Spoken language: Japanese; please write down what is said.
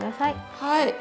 はい。